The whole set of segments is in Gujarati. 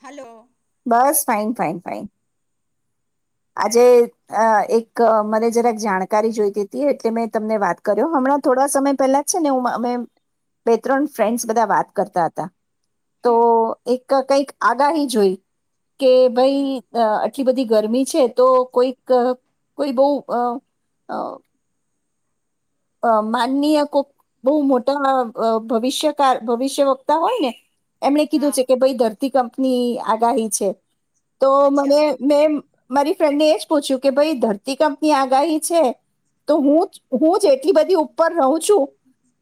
હલો બસ ફાઇન ફાઇન ફાઇન આજે એક મને જરાક જાણકારી જોઈતી હતી એટલે મેં તમને વાત કર્યો હમણાં થોડા સમય પહેલા છે ને હું અમે બે ત્રણ ફ્રેન્ડસ બધા વાત કરતા હતા હમ કઈક આગાહી જોઈ કે, હમ ભાઈ આટલી બધી ગરમી છે. તો કોઈક કોઈ બહ અ માનનીય કોક બહુ મોટા ભવિષ્ય કાર ભવિષ્ય વક્તા હોય ને એમણે કીધું હા છે. કે ભાઈ દર કંપની આગાહી છે. તો અચ્છા મને મે મારી ફ્રેન્ડને એ જ પૂછ્યું કે ભાઈ ધરતી કંપની આગાહી છે. તો હું હું જેટલી બધી ઉપર રહું છું.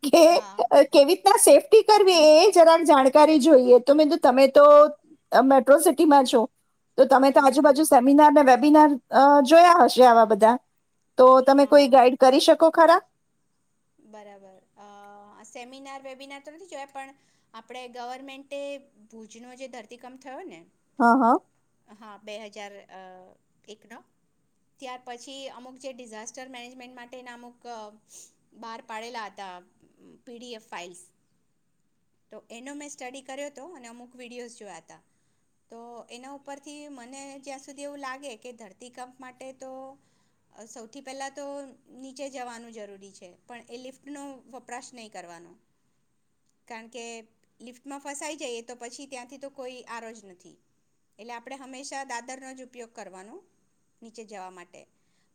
કે, હા કેવી રીતના સેફ્ટ કરવી એ જરા જાણકારી જોઈએ, તો મીુ તમે તો મેટ્રો સિટી માં છો. તો તમે તો હમ આજુબાજુ હમ સેમિનાર ને બિનાર જોયા હશે આવા બધા તો તમે હા કોઈ હા ગાઈડ કરી શ કો ખરા બરાબર અ સેમિનાર વેમિનાર તો નથી જોયા પણ આપણે ગવર્મેન્ટે ભુજનો જે ધરતીકંપ થયો ને હા હા હા બે હજાર અ એકનો ત્યાર પછી અમુક જે ડિઝાસ્ટર મેનેજમેન્ટ માટેના અમુક અ બહાર પાડેલા હતા પીડીએફ ફાઇલ્સ તો એનો મેં સ્ટડી કર્યો હતો અને અમુક વિડીયોઝ જોયા હતા તો એના ઉપરથી મને જ્યાં સુધી એવું લાગે કે ધરતીકંપ માટે તો સૌથી પહેલાં તો નીચે જવાનું જરૂરી છે પણ એ લિફ્ટનો વપરાશ નહીં કરવાનો કારણ કે લિફ્ટમાં ફસાઈ જઈએ તો પછી ત્યાંથી તો કોઈ આરો જ નથી એટલે આપણે હંમેશા દાદરનો જ ઉપયોગ કરવાનો નીચે જવા માટે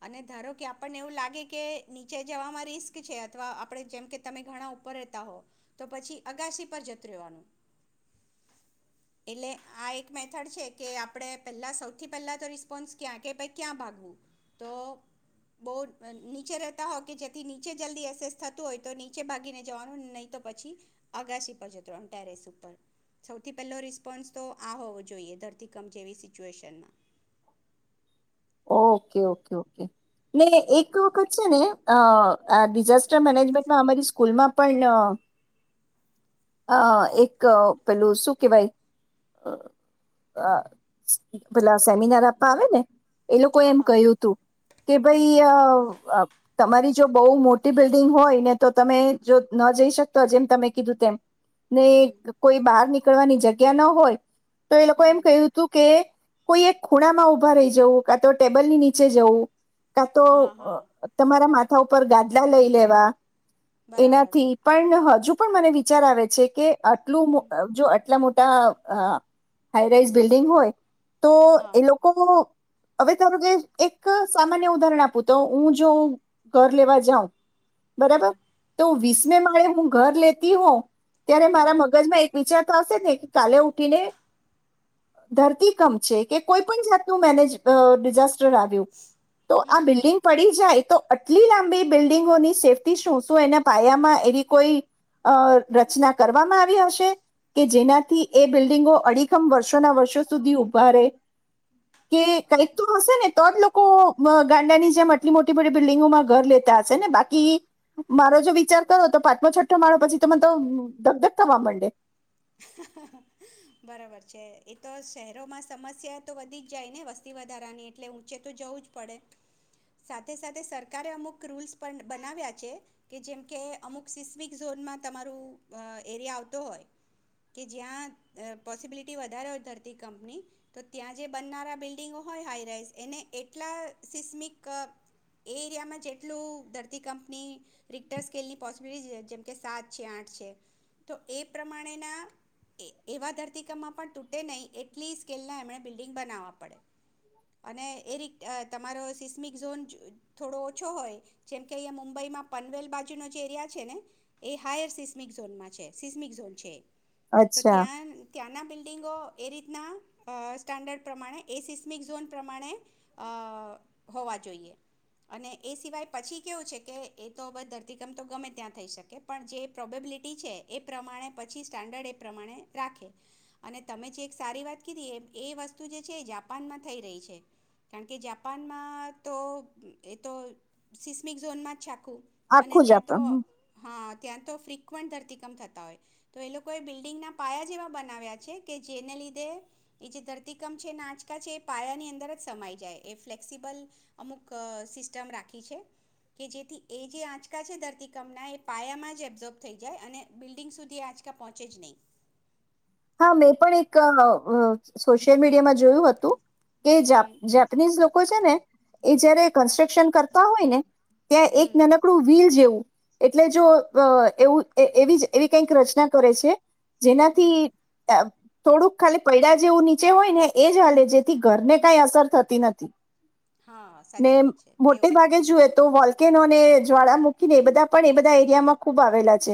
અને ધારો કે આપણને એવું લાગે કે નીચે જવામાં રિસ્ક છે અથવા આપણે જેમ કે તમે ઘણા ઉપર રહેતા હો તો પછી અગાસી પર જતું રહેવાનું એટલે આ એક મેથડ છે કે આપણે પહેલા સૌથી પહેલા તો રિસ્પોન્સ ક્યાં કે ભાઈ ક્યાં ભાગવું તો બો નીચે રહેતા હો કે જેથી છે જલ્દી એસેસ થતું હોય તો નીચે ભાગીને જવાનું નહી તો પછી અગાસી પર જતું રેવાનું ટેરેસ ઉપર સૌથી પહેલો રિસ્પોન્સ તો આ હોવો જોઈએ ધરતીકમ જેવી સિચ્યુએશનમાં ઓકે ઓકે ઓકે ને એક વખત છે ને અ આ ડિઝાસ્ટર મેનેજમેન્ટમાં અમારી સ્કૂલમાં પણ અ એક પેલું શું કેવાય અ પેલા સેમિનાર આપવા આવે ને એ લોકો હા એમ હા કહ્યું હતું કે ભાઈ અ તમારી જો બોહ મોટી બિલ્ડિંગ હોય ને તો તમે જો ન જઈ શકતો જેમ તમે કીધું તેમ ને હમ કોઈ બહાર નીક નીકળવાની જગ્યા ન હોય તો એ લોકો હમ એમ કહ્યું હતું કે કોઈ એક ખૂણામાં ઉભા રહી જવું કા તો ટેબલ ની નીચે જવું કા તો હા હા તમારા મા થા ઉપર ગાદલા લઈ લેવા બરાબર એનાથી પણ હજુ પણ મને વિચાર આવે છે કે આટલું હમ જો આટલા મોટા [unintelligible] તો હા એ લોકો હવે તારું કે એક સામાન્ય ઉદાહરણ આપું તો હું જો ઘર લેવા જાઉં. બરાબર હા તો વીસ. મેં મારે હું ઘર લેતી હો. ત્યારે હમ મારા મગજ માં એક વિચાર. ને કાલે ઉઠીને ધરતી કમ છે કે કોઈ પણ જાતનું મેનેજ. અ ડિઝાસ્ટર આવ્યું. તો હમ આ બિલ્ડિંગ પડી જાય. તો આટલી લાંબી બિલ્ડિંગોની સેફ્ટી શું શું એના પાયામાં એવી કોઈ અ રચના કરવામાં આવી હશે કે જેનાથી એ બિલ્ડિંગો અડીખમ વર્ષોના વર્ષો સુધી ઉઊભા રહે કે. કંઈક તો હશે ને તો જ લોકો ગાંડાની જેમ આટલી મોટી મોટી બિલ્ડીિંગોમાં ઘર લેતા હશે ને બાકી મારો જો વિચાર કરો તો પાંચમો છઠ્ઠો માળો પછી તને તો ધક ધક થવા માંડે. બરાબર છે એ તો શહેરોમાં સમસ્યા તો વધી જ જાય ને વસ્તી વધારાની એટલે ઊંચે તો જવું જ પડે સાથે સાથે સરકારે અમુક રૂલ્સ પણ બનાવ્યા છે કે જેમકે અમુક સિસ્મિક ઝોનમાં તમારું એરિયા આવતો હોય. કે જ્યાં પોસિબિલિટી વધારે હોય ધરતી કંપની તો ત્યાં જે બનનારા બિલ્ડિંગો હોય હાઈરાઈસ એને એટલા સિસમિક એ એરિયામાં જેટલું ધરતી કંપની રિક્ટર સ્કેલની પોસિબિલિટી જેમકે સાત છે આઠ છે તો એ પ્રમાણે. એવા ધરતી કમાં પણ તૂટે નહીિ એટલી સ્કેલ ના એમણે બિલ્ડિંગ બનાવવા પડે. અને એ રી તમારો સિસ્મિક ઝોન થોડો ઓછો હોય જેમકે અહીયા મુંબઈમાં પનવેલ બાજુનો જે એરિયા. છે ને એ હાઈર સિસ્મિક ઝોન માં છે સિસ્મિક ઝોન છે. તો અચ્છા ત્યાં ત્યાંના બિલ્ડિંગો. એ રીતના સ્ટાન્ડર્ડ પ્રમાણે એ સિસ્મિક ઝોન પ્રમાણે હોવા જોઈએ અને એ સિવાય પછી કેવું છે કે એ તો બ ધરતીકમ તો ગમે ત્યાં થઈ શકે પણ જે પ્રોબેબિલિટી છે એ પ્રમાણે પછી. સ્ટાન્ડર્ડ એ પ્રમાણે રાખે અને તમે જે એક સારી વાત કીધી એ એ વસ્તુ જે છે એ જાપાનમાં થઈ રહી છે કારણ કે જાપાનમાં તો એ તો સિસ્મિક ઝોનમાં જા. ખું અને આખું જ ત્યાં તો આપણ હા. ત્યાં તો ફ્રિકવન્ટ ધરતીકમ થતા હોય. તો એ લોકોએ બિલ્ડિંગના પાયા જેવા બનાવ્યા છે કે જેને લીધે એ જે ધરતીકંપ છે એના આંચકા છે એ પાયાની અંદર જ સમાઈ જાય એ ફ્લેક્સિબલ અમુક સિસ્ટમ રાખી છે કે જેથી એ જે આંચકા છે ધરતીકપના એ પાયામાં જ એબ્ઝોર્બ થઈ જાય અને બિલ્ડિંગ સુધી આંચકા. પહોંચે જ નહીં. હા મેં પણ એક સોશિયલ મીડિયામાં જોયું હતું. કે જાપ હમ જાપનીઝ લોકો છે ને. એ જયારે કન્સ્ટ્રક્શન કરતા હોય ને. ત્યાં એક હમ નનકડું વ્હીલ જેવું. એટલે જો એવું એવી જ એવી કઈક રચના કરે છે. હમ જેનાથી. થોડુંક ખાલી પૈડા જેવું નીચે હોય ને એ જ હાલે જેથી ઘરને કઈ અસર થતી નથી. હા ને સાચી વાત છે મોટે એવું જ ભાગે જોુય તો વોલ. નોને જ્વાળામુખીને એ બધા પણ એ બધા એરિયામાં ખુબ આવેલા છે.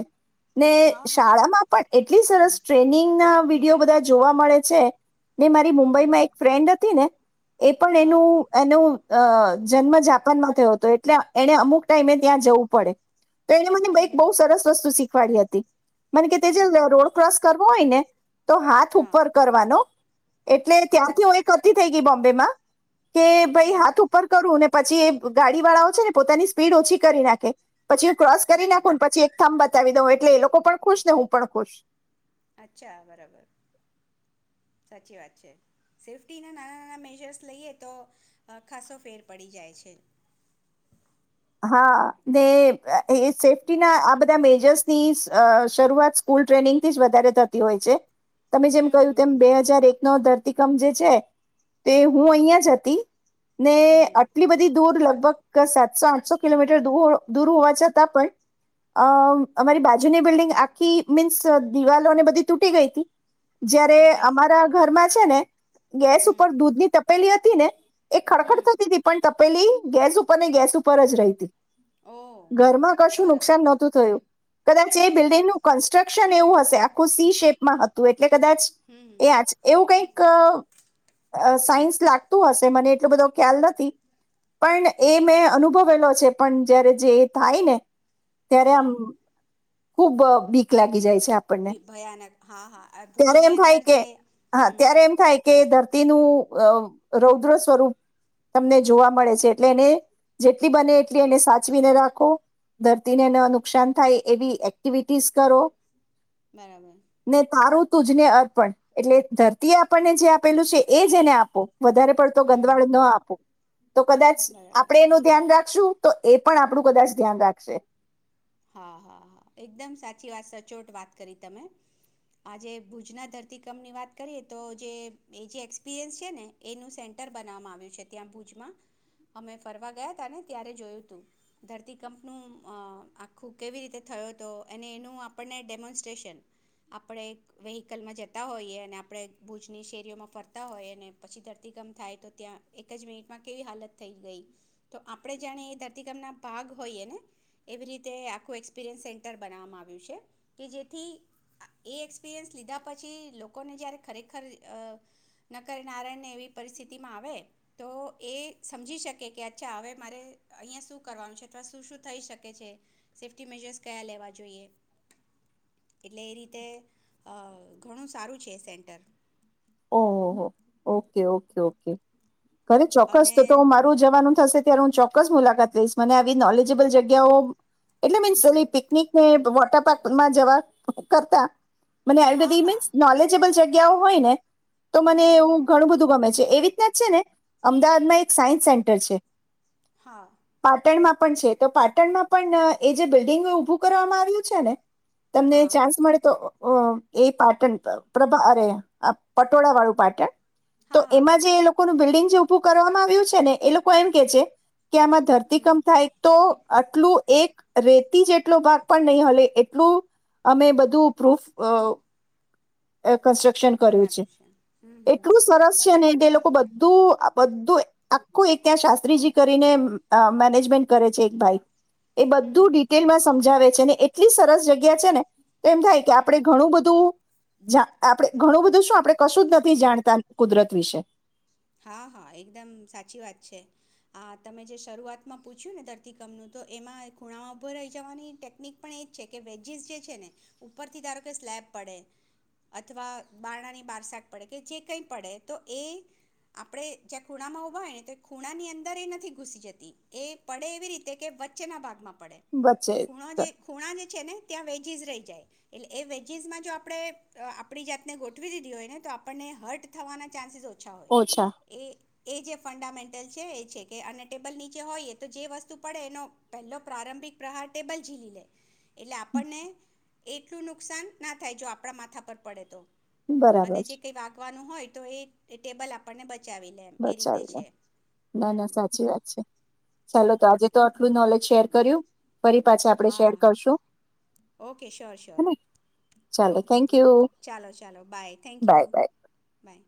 ને હા હા શાળામાં પણ એટલી સરસ. ટ્રેનિંગ. ના વિડીયો બધા જોવા મળે છે. ને મારી હમ મુંબઈ હમ માં એક ફ્રેન્ડ હતી ને. એ પણ હા એનું એનું. અ જન્મ જાપાનમાં થયો હતો એટલે એને અમુક ટાઈમે ત્યાં જવું પડે. તો હમ એક હમ બહુ સરસ વસ્તુ શીખ ફળી હતી. મને કે તે હમ જે રોડ ક્રોસ કરવો હોય ને તો હાથ હા ઉપર કરવાનો એટલે હમ ત્યારથી હ એક નથી થઈ ગઈ બોમ્બેમાં. [inaudible] કે ભાઈ હમ હાથ ઉપર કરું ને પછી એ ગાડી વાળાઓ છે ને પોતાની સ્પીડ ઓછી કરી નાખે. પછી ક્રોસ કરી ઓકે નાખું પછી એક થં બતાવી દં હોય એટલે એ લોકો પણ ખુશ ને હું પણ ખુશ. અચ્છા બરાબર સાચી વાત છે સેફ્ટી ના નાના નાના મેજર્સ લઈએ તો ખાસો ફેર પડી જાય છે. હા ને એ સેફ્ટીના આ બધા મેજર્સની શરૂઆત સ્કૂલ ટ્રેનિંગથી જ વધારે થતી હોય છે. તમે જેમ હમ કહ્યું હમ તેમ હમ બે હજાર એક નો ધરતીકમ જે છે તે હું અહિયાં જ હતી. ને હમ આટલી બધી દૂર લ બ કસ ચ સમ પાચસો કિલોમીટર દૂર હોવા છતાં પણ અમ અમારી બાજુની બિલ્ડિંગ આખી મીન્સ દિવાલોને બધી તૂટી ગઈ હતી. જયારે ઓકે અમારા ઘરમાં છે ને. ગેસ હમ ઉપર દૂધ ની તપેલી હતી. ને. એ હમ ખડખડ થતી હતી પણ પેલી ગેસ ઉપર ને ગેસ ઉપર ઉપ પર જ ર રહેતી. ઓ ઘરમાં કશું બરાબર નુકસાન નહોતું થયું કદાચ એ અચ્છા બિલ્ડિંગનું કન્સ્ટ્રક્શન એવું હશે આખું સી શેપમાં હતું. એટલે કદાચ હમ એ હમ આજ એવું કઈ એક અ સાઇન્સ લાગતુ હશે મને એટલો બભો ખ્યાલ નથી પણ એ મે ઉભવેલો છે પણ જયારે જે થાય ને ત્યારે આમ હા ખુબ બીક લાગી જાય છે આપણને ભયાનક હા હા ત્યારે ભુજની એમ થાય અંદર કે છે હા હમ્મ ત્યારે એમ થાય કે ધરતીનું અ રૌદ્ર સ્વરૂપ તમને જોવા મળે છે એટલે એને જેટલી બને એટલી એને સાચવીને રાખો ધરતીનેને નુકસાન થાય એવી એક્ટિવિટીસ કરો બરાબર ને તારું તુજને અર્પણ એટલે ધરતી આપણને જે આપેલું છે એ જે એને આપો. વધારે પડતો હમ ગંધવાળ હમ ન આપો. તો કદાચ બરાબર આપડે એનું ધ્યાન રાખશું તો એ પણ આપણું કદાચ ધ્યાન રાખશે. હા હા હા એકદમ સાચી વાત સચોટ વાત કરી તમે આજે ભુજના ધરતીકંપની વાત કરીએ તો જે એ જે એક્સપિરિયન્સ છે ને એનું સેન્ટર બનાવવામાં આવ્યું છે ત્યાં ભુજમાં અમે ફરવા ગયા હતા ને ત્યારે જોયું હતું ધરતીકંપનું અ આખું કેવી રીતે થયો તો અને એનું આપણને ડેમોન્સ્ટ્રેશન આપણે વ્હિકલમાં જતા હોઈએ અને આપણે ભુજની શેરીઓમાં ફરતા હોઈએ અને પછી ધરતીકામ થાય તો ત્યાં એક જ મિનિટમાં કેવી હાલત થઈ ગઈ તો આપણે જાણે એ ધરતીકપના ભાગ હોઈએ ને એવી રીત એ આખું એક્સપિરિયન્સ સેન્ટર બનાવવામાં આવ્યું છે કે જેથી એ એક્સપિરિયન્સ લીધા પછી લોકોને જ્યારે ખરેખર ન કરનારાયને એવી પરિસ્થિતિમાં આવે તો એ સમજી શકે કે અચ્છા હવે મારે અહીંયા શું કરવાનું છે અથવા શું શું થઈ શકે છે. સેફ્ટી મેજર્સ કયા લેવા જોઈએ એટલે એ રીતે અ ઘણું સારું છે એ સેન્ટર. ઓહો ઓકે ઓકે ઓકે. કરે ચોક્કસ અને તો તો મારું જવાનું થશે. ત્યાર હું ચોક્કસ મુલાકાત લઈશ મને આવી નોલેજેબલ જગ્યાઓ એટલે મીન્સ પિકનિકને વોટર પાર્કમાં જવા કરતા મને આવી હા બધી હા મીન્સ નોલેજબલ જગ્ ગ્યાં હોય ને તો મને હમ હમ એવું હમ ઘણું બધું ગમે છે એવી છે ને અમદાવાદમાં એક સાયન્સ સેન્ટર છે. હા પાટણમાં પણ છે તો પાટણમાં પણ એ જે બિલ્ડિંગ ઉભું કરવામાં આવ્યું છે ને તમને હા ચાન્સ મળે તો એ પાટણ પ્રભા અરે આ પટોળા વાળું પાટણ. તો હા હા એમાં હા જે એ લોકોનું બિલ્ડિંગ જે ઉભું કરવામાં આવ્યું છે ને એ લોકો એમ કે છે કે આમાં હમ ધરતીકંપ થાય તો આટલું એક રેતી જેટલો ભાગ પણ નહી હલે એટલું અમે બધું પ્રૂફ અ વ. એક કન્સ્ટ્રક્શન કર્યું છે બનાવ્યું હમ હમ એટલું હમ સરસ છે ને બરાબર એ લોકો બધું આ બધું આખું એક ત્યાં શાસ્ત્રીજી કરીને આ મેનેજમેન્ટ કરે છે એક ભાઈ. એ હમ બધું હમ ડિટેલમાં સમજાવે છેને એટલી સરસ જગ્યા છે ને. એમ થાય કે આપડે હમ ઘણું બધું જા આપણે ઘણું બધું શું આપણે કશું જ નથી જાણતા કુદરત વિશે. હા હા એકદમ સાચી વાત છે આ તમે જે શરૂઆતમાં પૂછ્યું ને ધરતીકમનું તો એમાં ખૂણામાં ઊભા રહી જવાની ટેકનિક પણ એ જ છે કે વેજીિસ જે છે ને ઉપરથી ધારો કે સ્લેૅબ પડે અથવા બારણાની બાર શાક પડે કે જે કંઈ પડે તો એ આપણે જ્યાં ખૂણામાં ઊભા હોય ને તો ખૂણાની અંદર એ નથી ઘૂસી જતી એ પડે એવી રીતે કે વચ્ચેના ભાગમાં પડે વચ્ચે ખૂણો ખૂણા જે છે ને ત્યાં વેજીસ રહી જાય એટલે એ વેજીસમાં જો આપણે આપણી જાતને ગોઠવી દીધી હોય ને તો આપણને હર્ટ થવાના ચાન્સીસ ઓછા હોય ઓછા એ એ જે ફંડામેન્ટલ છે એ છે કે અને ટેબલ નીચે હોઈએ તો જે વસ્તુ પડે એનો પહેલો પ્રારંભિક પ્રહાર ટેબલ ઝીલી લે એટલે આપણને એટલું નુકસાન ના થાય જો આપણા માથા પર પડે તો અને બરાબર જે છે કઈ વાગવાનું હોય તો એ ટેબલ આપ [unintelligible] બચાવી લે ના હમ ના સાચી વાત છે ચાલો તો આજે તો [unintelligible] નોલેજ શેર કર્યું ફરી પાછા આપણે હા શેર કરશું ઓકે શ્યોર શ્યોર હેને ચાલો ઓકે થેન્ક યુ ચાલો ચાલો bye thank you bye bye by